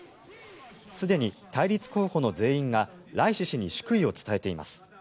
すでに対立候補の全員がライシ師に祝意を伝えています。